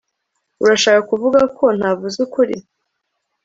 urashaka kuvuga ko ntavuze ukuri